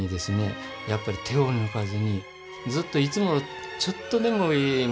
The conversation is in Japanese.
やっぱり手を抜かずにずっといつもちょっとでもいいもの